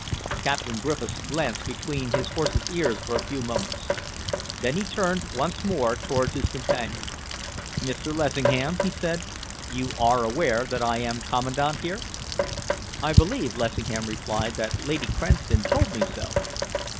Captain Griffiths glanced between his horse's ears for a few moments. Then he turned once more towards his companion. "Mr. Lessingham," he said, "you are aware that I am Commandant here?" "I believe," Lessingham replied, "that Lady Cranston told me so."